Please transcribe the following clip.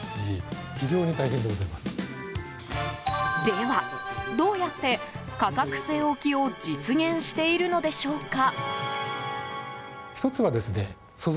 では、どうやって価格据え置きを実現しているのでしょうか？